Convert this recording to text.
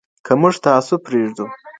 که موږ تعصب پرېږدو.